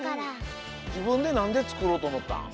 じぶんでなんでつくろうとおもったん？